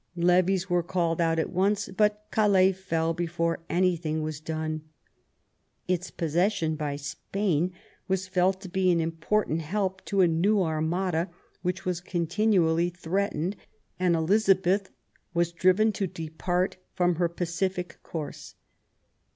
Levies were called out at once, but Calais fell before anything was done. Its possession by Spain was felt to be an important help to a new Armada, which was continually threatened ; and Elizabeth was driven to depart from her pacific course.